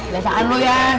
dari saat lo yan